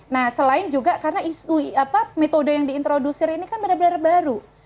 nah selain juga karena isu metode yang diintrodusir ini kan benar benar baru